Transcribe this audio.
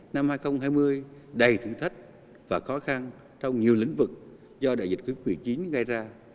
năm hai nghìn hai mươi đầy thử thách và khó khăn trong nhiều lĩnh vực do đại dịch covid một mươi chín gây ra